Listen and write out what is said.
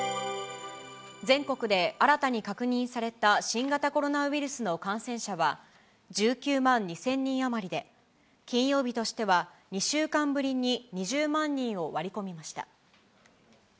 全国で新たに確認された新型コロナウイルスの感染者は、１９万２０００人余りで、金曜日としては２週間ぶりに２０万人を割り込みました。